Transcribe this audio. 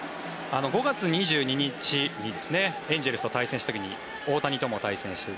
５月２２日にエンゼルスと対戦した時大谷とも対戦している。